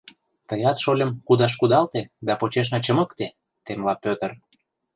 — Тыят, шольым, кудаш кудалте да почешна чымыкте! — темла Пӧтыр.